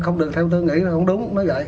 không được theo tôi nghĩ là không đúng nói vậy